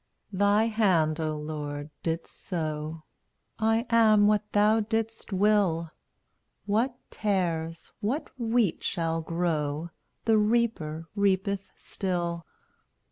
bmat Thy hand, O Lord, didst sow; I am what thou didst will; i/ What tares, what wheat shall grow The Reaper reapeth still.